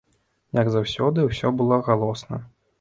Як заўсёды, усё было галосна.